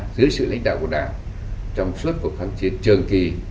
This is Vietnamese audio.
dưới sự lãnh đạo của đảng trong suốt cuộc kháng chiến trường kỳ